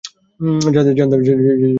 জানতাম ও এমন করবে।